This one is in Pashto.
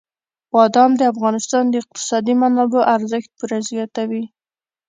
بادام د افغانستان د اقتصادي منابعو ارزښت پوره زیاتوي.